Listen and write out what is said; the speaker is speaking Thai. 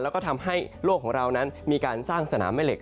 แล้วก็ทำให้โลกของเรานั้นมีการสร้างสนามแม่เหล็ก